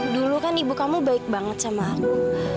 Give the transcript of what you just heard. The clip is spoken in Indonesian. dulu kan ibu kamu baik banget sama anak